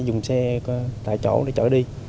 dùng xe tại chỗ để chở đi